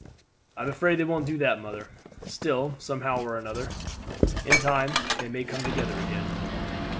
"I am afraid they won't do that, mother. Still, somehow or other, in time they may come together again."